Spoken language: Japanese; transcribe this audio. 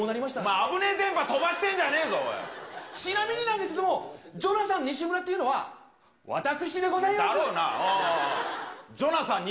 あぶねぇ電波飛ばしてんじゃちなみになんですけれども、ジョナサン西村っていうのは、私でございます。だろうな。